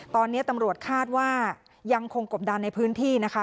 ตอนนี้ตำรวจคาดว่ายังคงกบดันในพื้นที่นะคะ